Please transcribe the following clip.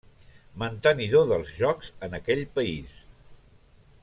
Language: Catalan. Mantenidor dels Jocs en aquell país.